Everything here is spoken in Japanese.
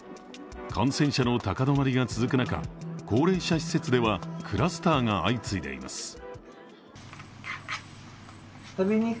感染者の高止まりが続く中高齢者施設ではクラスターが相次いでいます。